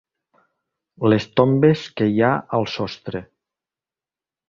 Les tombes que hi ha al sostre.